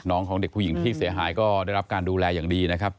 ของเด็กผู้หญิงที่เสียหายก็ได้รับการดูแลอย่างดีนะครับ